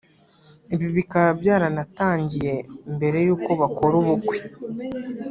ibi bikaba byaranatangiye mbere y’uko bakora ubukwe